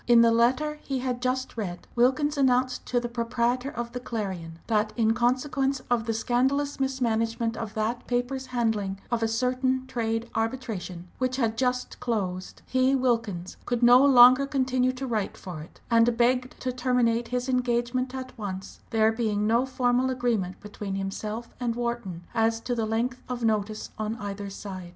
In the letter he had just read Wilkins announced to the proprietor of the Clarion that in consequence of the "scandalous mismanagement" of that paper's handling of a certain trade arbitration which had just closed, he, Wilkins, could no longer continue to write for it, and begged to terminate his engagement at once, there being no formal agreement between himself and Wharton as to length of notice on either side.